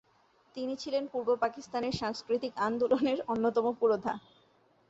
তিনি ছিলেন পূর্ব পাকিস্তানের সাংস্কৃতিক আন্দোলনের অন্যতম পুরোধা।